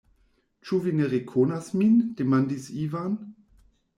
Ĉu vi ne rekonas min?demandis Ivan.